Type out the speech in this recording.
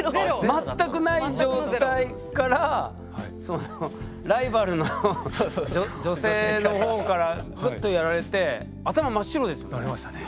全くない状態からそのライバルの女性の方からグッとやられて頭真っ白ですよね？